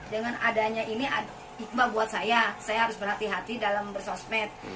dengan adanya ini ada hikmah buat saya saya harus berhati hati dalam bersosmed